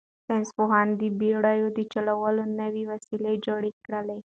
ساینس پوهانو د بېړیو د چلولو نوي وسایل جوړ کړل.